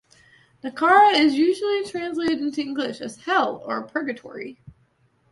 Naraka is usually translated into English as "hell" or "purgatory".